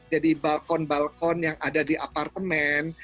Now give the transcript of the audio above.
jadi balkon balkon yang ada di apartemen